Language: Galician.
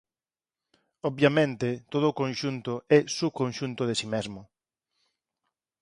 Obviamente todo conxunto é subconxunto de si mesmo.